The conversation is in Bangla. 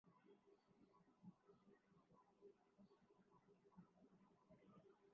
মাধ্যমিক বিভাগটি শুধুমাত্র বালক দের জন্যে নির্ধারিত হলেও উচ্চ মাধ্যমিক বিভাগ কো-এডুকেশন শিক্ষা চালু আছে বহুদিন যাবৎ।